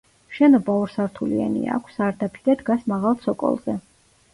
შენობა ორსართულიანია, აქვს სარდაფი და დგას მაღალ ცოკოლზე.